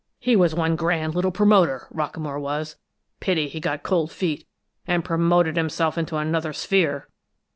He was one grand little promoter, Rockamore was; pity he got cold feet, and promoted himself into another sphere!"